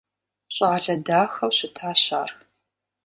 ЩӀалэ дахэу щытащ ар.